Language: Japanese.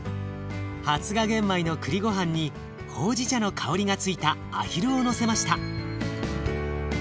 発芽玄米の栗ごはんにほうじ茶の香りがついたあひるをのせました。